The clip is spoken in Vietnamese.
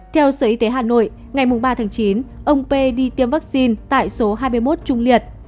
theo sở y tế hà nội ngày ba tháng chín ông p tiêm vaccine tại số hai mươi một trung liệt